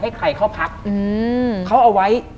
คุณลุงกับคุณป้าสองคนนี้เป็นใคร